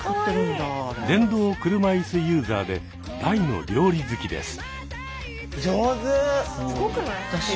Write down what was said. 電動車いすユーザーで大の料理好きです。